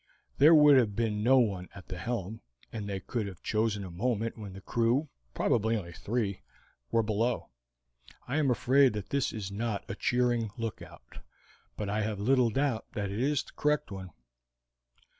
There would have been no one at the helm, and they could have chosen a moment when the crew, probably only three, were below. I am afraid that this is not a cheering lookout, but I have little doubt that it is the correct one.